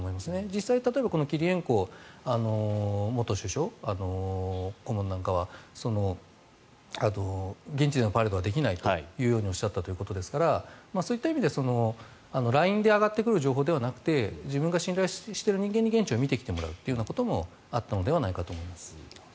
実際キリエンコ元首相顧問なんかは現地でパレードはできないとおっしゃったということですからそういった意味でラインで上がってくる情報ではなくて自分が信頼している人間に現地を見てきてもらうというようなこともあったのではないかと思います。